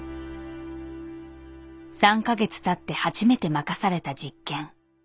３か月たって初めて任された実験。